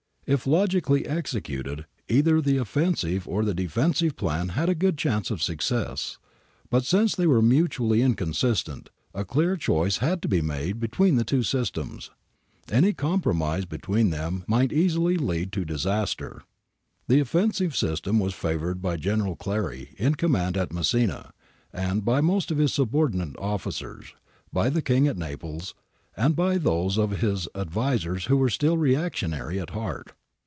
^ If logically executed, either the offensive or the de fensive plan had a good chance of success, but since they were mutually inconsistent, a clear choice had to be made between the two systems. Any compromise between them might easily lead to disaster. The offensive system was favoured by General Clary in command at Messina and by most of his subordinate officers, by the King at Naples, and by those of his ad visers who were still reactionary at heart.